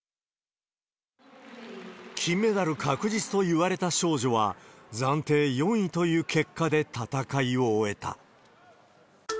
金メダル確実といわれた少女は、暫定４位という結果で戦いを終えた。